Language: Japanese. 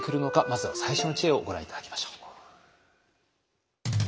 まずは最初の知恵をご覧頂きましょう。